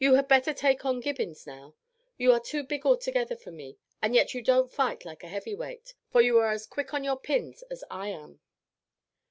You had better take on Gibbons now. You are too big altogether for me, and yet you don't fight like a heavyweight, for you are as quick on your pins as I am."